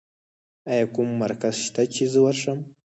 ایا کوم مرکز شته چې زه ورشم؟